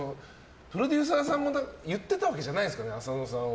プロデューサーさんにも言ってたわけじゃないですか。